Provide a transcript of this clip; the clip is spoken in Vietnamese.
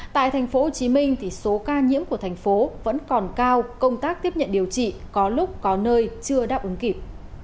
tại tp hcm số ca nhiễm của thành phố vẫn còn cao công tác tiếp nhận điều trị có lúc có nơi chưa đáp ứng kịp